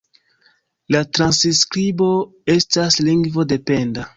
La transskribo estas lingvo-dependa.